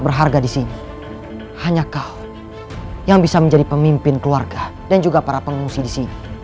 berharga di sini hanya kah yang bisa menjadi pemimpin keluarga dan juga para pengungsi di sini